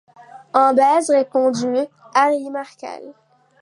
En baisse, répondit Harry Markel.